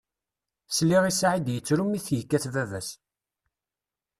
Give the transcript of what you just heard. Sliɣ i Saɛid yettru mi t-yekkat baba-s.